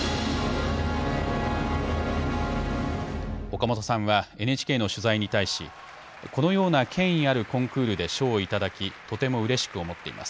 岡本さんはＮＨＫの取材に対し、このような権威あるコンクールで賞を頂き、とてもうれしく思っています。